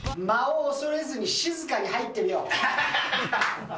間を恐れずに、静かに入ってみよう。